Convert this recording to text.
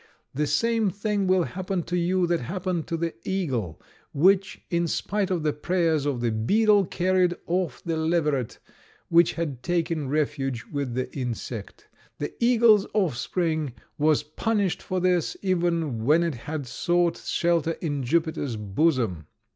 The same thing will happen to you that happened to the eagle, which, in spite of the prayers of the beetle, carried off the leveret, which had taken refuge with the insect. The eagle's offspring was punished for this, even when it had sought shelter in Jupiter's bosom."